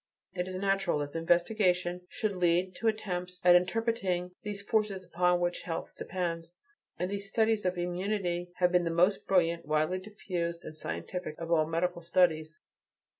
It is natural that investigation should lead to attempts at interpreting these forces upon which health depends, and these studies of "immunity" have been the most brilliant, widely diffused and scientific of all medical studies.